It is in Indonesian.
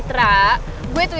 kalau mau diketahui